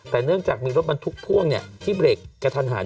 แต่เนื่องจากมีรถบรรทุกพ่วงที่เบรกกระทันหัน